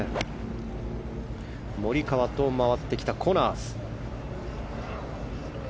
モリカワと回ってきたコナーズ。